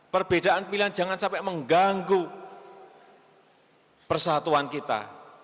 perbedaan pilihan jangan sampai mengganggu persatuan kita